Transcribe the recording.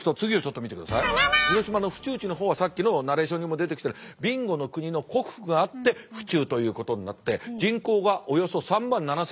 広島の府中市の方はさっきのナレーションにも出てきたように備後国の国府があって府中ということになって人口がおよそ３万７，０００人です。